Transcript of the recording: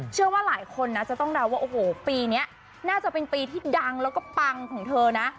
เชื่อว่าหลายคนนะจะต้องเดาว่าโอ้โหปีนี้น่าจะเป็นปีที่ดังแล้วก็ปังของเธอนะ